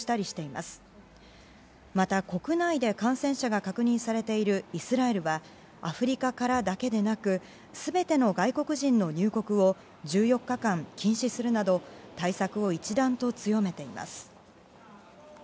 また、国内で感染者が確認されているイスラエルはアフリカからだけでなく全ての外国人の入国を１４日間禁止するなど対策を一段と強めています。